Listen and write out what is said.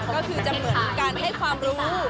ก็คือจะเหมือนการให้ความรู้